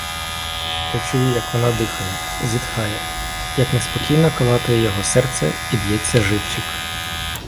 Я чую, як вона дихає, зітхає, як неспокійно калатає його серце і б'ється живчик.